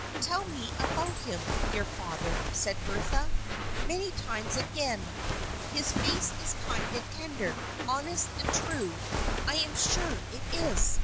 "Tell me about him, dear father," said Bertha. "Many times again! His face is kind and tender, honest and true, I am sure it is!